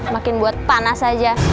makin buat panas aja